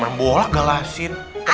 main bola galah sini